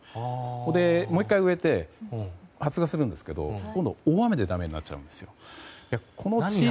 それで、もう１回植えて発芽したんですけど今度は大雨でだめになっちゃうんです。